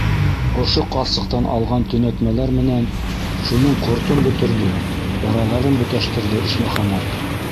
Ошо ҡарсыҡтан алған төнәтмәләр менән шуның ҡортон бөтөрҙө, яраларын бөтәштерҙе Ишмөхәмәт.